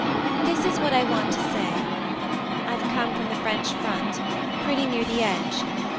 "This is what I want to say. I've come from the French front pretty near the edge.